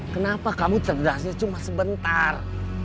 kenapa kamu cerdasnya cuma sebentar